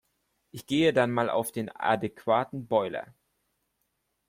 Ich gehe dann mal auf den adäquaten Boiler.